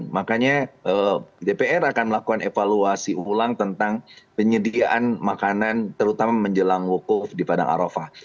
makanya dpr akan melakukan evaluasi ulang tentang penyediaan makanan terutama menjelang wukuf di padang arafah